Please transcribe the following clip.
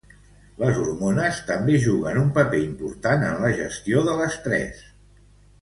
Les hormones també juguen un paper important en la gestió de l'estrès.